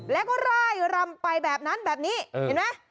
แล้วก็ร่ายรำไปแบบนั้นแบบนี้เห็นไหม